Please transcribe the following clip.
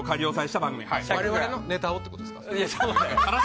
我々のネタをってことですか？